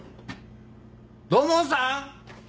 土門さん！